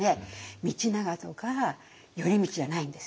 道長とか頼通じゃないんです。